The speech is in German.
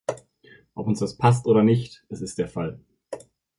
Ob uns das passt oder nicht, es ist der Fall.